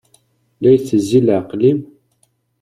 La itezzi leɛqel-im?